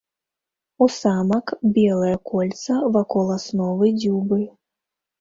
У самак белае кольца вакол асновы дзюбы.